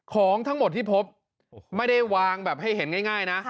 ของทั้งหมดที่พบไม่ได้วางแบบให้เห็นง่ายนะ